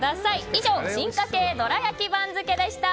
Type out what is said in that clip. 以上、進化系どら焼き番付でした。